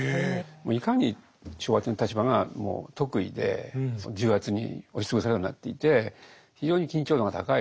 いかに昭和天皇の立場がもう特異で重圧に押し潰されるようになっていて非常に緊張感が高い。